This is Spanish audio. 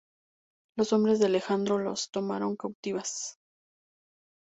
Los hombres de Alejandro las tomaron cautivas.